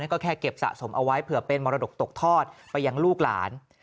ก็แค่เก็บสะสมเอาไว้เผื่อเป็นมรดกตกทอดไปยังลูกหลาน